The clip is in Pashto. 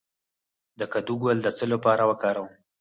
د کدو ګل د څه لپاره وکاروم؟